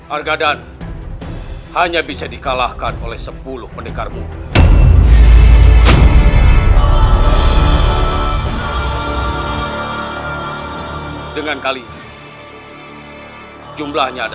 argadhan hanya bisa dikalahkan oleh sepuluh pendekarmu dengan kali jumlahnya ada